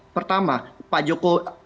pertama pak jokowi